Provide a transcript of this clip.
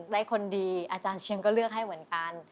ได้คนดีอาจารย์เชียงก็เลือกให้เหมือนกัน